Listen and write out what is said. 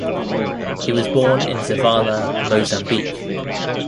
He was born in Zavala, Mozambique.